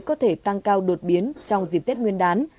có thể tăng cao đột biến trong dịp tết nguyên đán